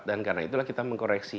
dan karena itulah kita mengkoreksi